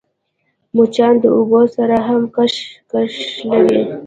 مچان د اوبو سره هم کشش لري